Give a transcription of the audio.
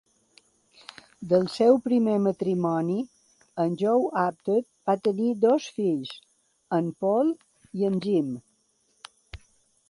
Del seu primer matrimoni amb Jo Apted va tenir dos fills, en Paul i en Jim.